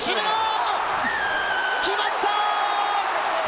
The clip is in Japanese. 決まった！